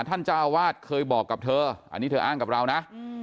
เจ้าอาวาสเคยบอกกับเธออันนี้เธออ้างกับเรานะ